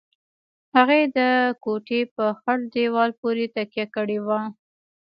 هغې د کوټې په خړ دېوال پورې تکيه کړې وه.